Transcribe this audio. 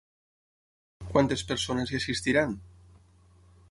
Quantes persones hi assistiran?